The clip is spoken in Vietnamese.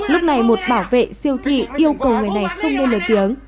lúc này một bảo vệ siêu thị yêu cầu người này không nên lớn tiếng